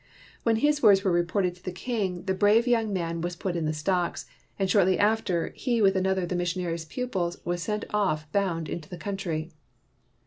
When his words were reported to the king, the brave young man was put in the stocks ; and shortly after he with another of the missionaries ' pupils was sent off bound into the country.